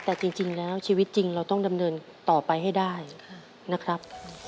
แต่จริงแล้วชีวิตจริงเราต้องดำเนินต่อไปให้ได้นะครับ